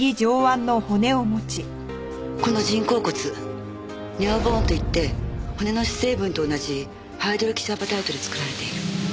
この人工骨ネオボーンといって骨の主成分と同じハイドロキシアパタイトで作られている。